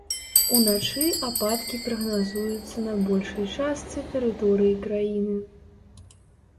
Уначы ападкі прагназуюцца на большай частцы тэрыторыі краіны.